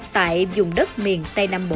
tại dùng đất miền tây nam bộ